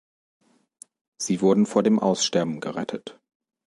Sie wurden vor dem Aussterben gerettet.